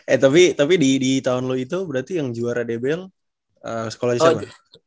eh tapi di tahun lalu itu berarti yang juara debel sekolah di sana